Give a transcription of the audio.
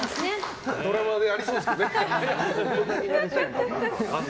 ドラマでありそうですけどね。